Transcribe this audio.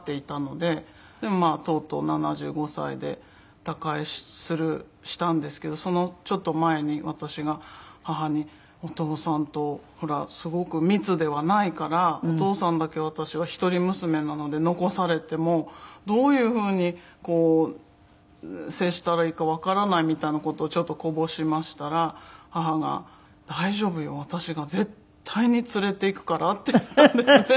でもまあとうとう７５歳で他界したんですけどそのちょっと前に私が母にお父さんとほらすごく密ではないから「お父さんだけ私は一人娘なので残されてもどういうふうにこう接したらいいかわからない」みたいな事をちょっとこぼしましたら母が「大丈夫よ。私が絶対に連れていくから」って言ったんですね。